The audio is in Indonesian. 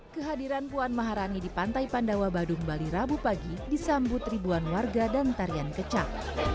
kehadiran puan maharani di pantai pandawa badung bali rabu pagi disambut ribuan warga dan tarian kecap